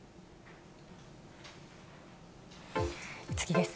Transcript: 次です。